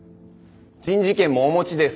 人事権もお持ちです。